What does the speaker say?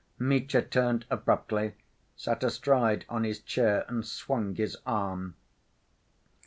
Mitya turned abruptly, sat astride on his chair, and swung his arm.